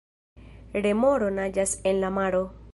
Remoro naĝas en la maro.